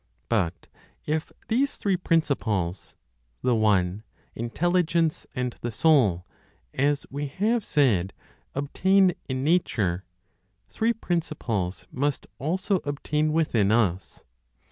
But if these three principles, the One, Intelligence, and the Soul, as we have said, obtain in nature, three principles must also obtain within us.